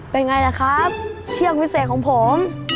เป็นไงล่ะครับเชือกวิเศษของผม